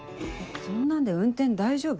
そんなんで運転大丈夫？